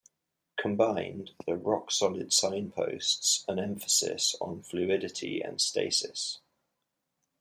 Combined, the "rock solid" signposts an emphasis on fluidity and stasis.